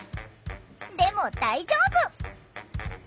でも大丈夫！